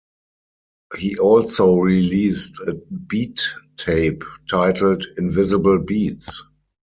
He also released a beat tape, titled "Invisible Beats".